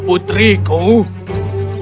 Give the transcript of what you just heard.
pangeran maiti menjelaskan segalanya